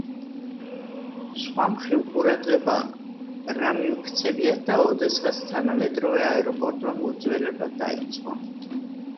სხვა მხრივ ყურადღება რა მიუქცევიათ და ოდესღაც თანამედროვე აეროპორტმა მოძველება დაიწყო.